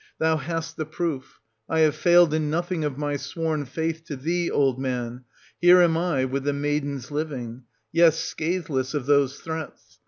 Thou hast the proof; I have failed in nothing of my sworn faith to thee, old man ; here am I, with the maidens living, — yea, scatheless of those threats.